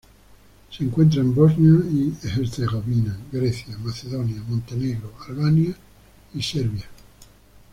Se encuentra en Bosnia y Herzegovina, Grecia, Macedonia, Montenegro, Albania y Serbia.